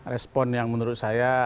respon yang menurut saya